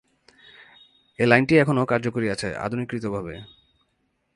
এই লাইনটি এখনও কার্যকরী আছে আধুনিকীকৃতভাবে।